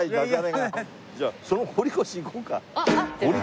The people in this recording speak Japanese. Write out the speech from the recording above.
じゃあその堀越行こうか？